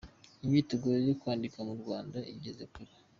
Imyiteguro yo kwandika mu Rwanda igeze kure